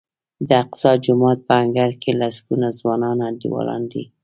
د اقصی جومات په انګړ کې لسګونه ځوانان انډیوالان دي.